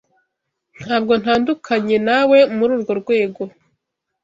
Ntabwo ntandukanye nawe muri urwo rwego.